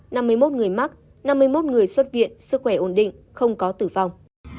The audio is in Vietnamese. năm mươi một người mắc năm mươi một người xuất viện sức khỏe ổn định không có tử vong